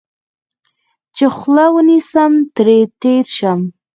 چې خوله ونیسم، ترې تېر شوم.